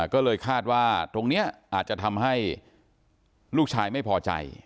ก็เลยคาดว่าตรงนี้อาจจะทำให้ลูกชายไม่พอใจ